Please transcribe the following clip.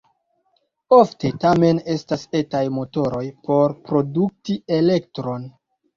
Ofte tamen estas etaj motoroj por produkti elektron.